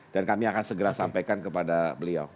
dan kami akan segera sampaikan kepada beliau